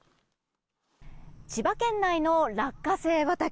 千葉県内の落花生畑。